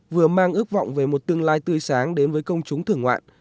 vừa mang ước vọng về một tương lai tươi sáng đến với công chúng thưởng ngoạn